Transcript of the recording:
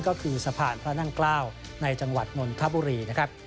ก็คือสะพานพระนั่งเกล้าในจังหวัดนนทบุรีนะครับ